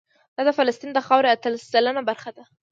دا د فلسطین د خاورې اتلس سلنه برخه ده.